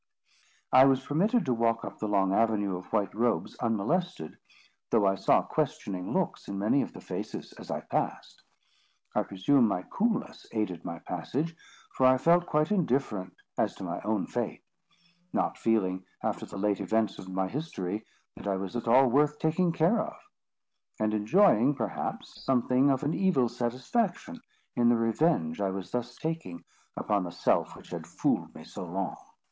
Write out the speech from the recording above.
I was permitted to walk up the long avenue of white robes unmolested, though I saw questioning looks in many of the faces as I passed. I presume my coolness aided my passage; for I felt quite indifferent as to my own fate; not feeling, after the late events of my history, that I was at all worth taking care of; and enjoying, perhaps, something of an evil satisfaction, in the revenge I was thus taking upon the self which had fooled me so long.